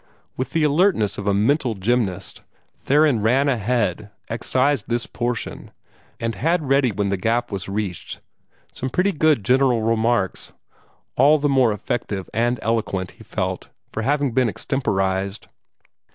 With the alertness of a mental gymnast, Theron ran ahead, excised this portion, and had ready when the gap was reached some very pretty general remarks, all the more effective and eloquent, he felt, for having been extemporized.